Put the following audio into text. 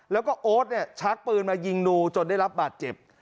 แล้วก็โอ๊ตเนี่ยชักปืนมายิงนูจนได้รับบาดเจ็บ